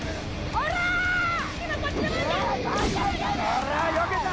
おらよけた！